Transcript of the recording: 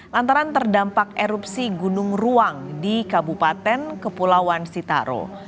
lantaran terdampak erupsi gunung ruang di kabupaten kepulauan sitaro